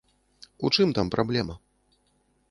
У чым там праблема?